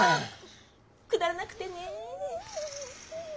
くだらなくてね。